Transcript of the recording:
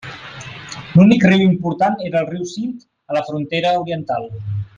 L'únic riu important era el riu Sind a la frontera oriental.